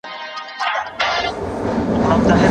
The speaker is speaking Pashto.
ما د خپلې مقالي لپاره ډېر پوه لارښود وټاکه.